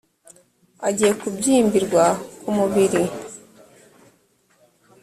agiye kubyimbirwa kumubiri